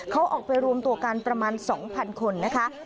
เขาออกไปรวมตัวกันประมาณ๒๐๐คนนะคะ